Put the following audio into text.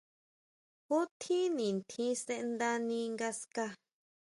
¿Ju tjín nitjín sʼendani ngaská?